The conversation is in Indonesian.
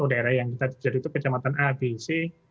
daerah yang kita tutup kecamatan a b c